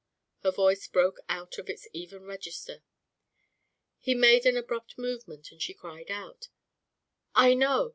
Her voice broke out of its even register. He made an abrupt movement, and she cried out: "I know!